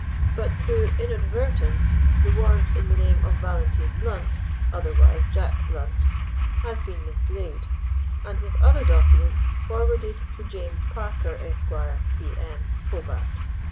But through inadvertence, the warrant in the name of Valentine Blount (otherwise Jack Blunt) had been mislaid, and, with other documents, forwarded to James Parker, Esq., P.M., Hobart.